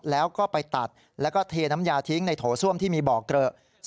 แล้วก็ไปตัดแล้วก็เทน้ำยาทิ้งในโถส้วมที่มีบ่อเกลอะ